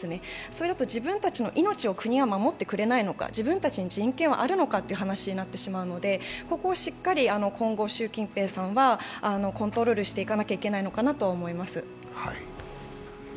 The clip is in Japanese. それだと自分たちの命を国は守ってくれないのか、自分たちに人権はあるのかという話になってしまうのでここをしっかり今後、習近平さんはコントロールしていかなければいけないのかなと思います。